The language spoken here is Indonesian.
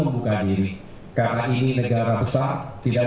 membuka diri karena ini negara besar tidak